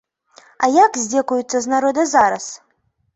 А як здзекуюцца з народа зараз?